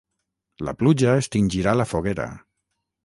La pluja extingirà la foguera.